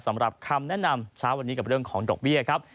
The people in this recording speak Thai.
สำหรับคำแนะนำเช้าวันนี้กับเรื่องของดอกเบี้ยครับ